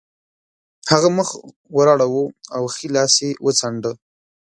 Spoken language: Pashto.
هغه مخ واړاوه او ښی لاس یې وڅانډه